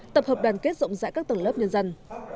tập hợp đoàn kết rộng rãi các tầng lớp nhân dân